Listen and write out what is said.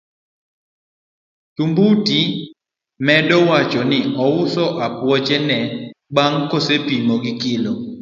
Tumbuti medo wacho ni ouso apuoche ne bang' kosepimo gi e kilo.